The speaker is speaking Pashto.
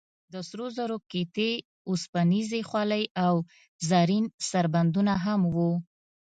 د سرو زرو قطعې، اوسپنیزې خولۍ او زرین سربندونه هم و.